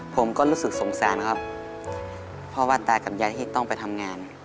ผมก็รู้สึกสงสารครับเพราะว่าตากับยายที่ต้องไปทำงาน